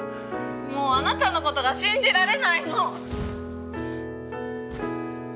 もうあなたのことが信じられないの！